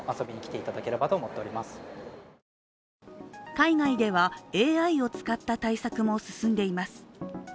海外ではＡＩを使った対策も進んでいます。